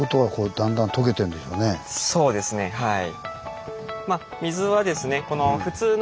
そうですねはい。